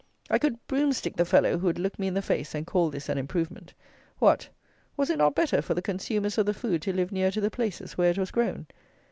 I could broom stick the fellow who would look me in the face and call this "an improvement." What! was it not better for the consumers of the food to live near to the places where it was grown?